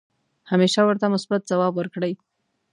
همیشه ورته مثبت ځواب ورکړئ .